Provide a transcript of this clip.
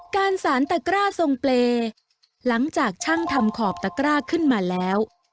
การสารตะกร้าทรงเปรย์หลังจากช่างทำขอบตะกร้าขึ้นมาแล้ว